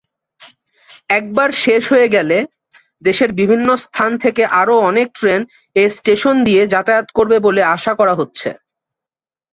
একবার শেষ হয়ে গেলে, দেশের বিভিন্ন স্থান থেকে আরও অনেক ট্রেন এই স্টেশন দিয়ে যাতায়াত করবে বলে আশা করা হচ্ছে।